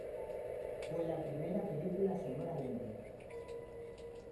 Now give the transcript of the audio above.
Fue la primera película sonora india.